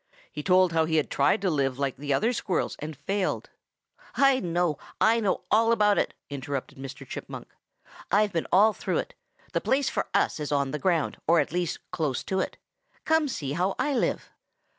He told how he had tried to live like the other Squirrels and failed. 'I know! I know all about it,' interrupted Mr. Chipmunk. 'I've been all through it. The place for us is on the ground or at least close to it. Come see how I live.'